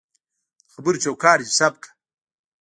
دخبرو چوکاټ دی سم که